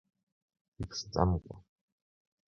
Иԥшӡамкәа.